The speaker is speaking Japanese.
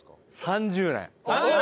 ３０年！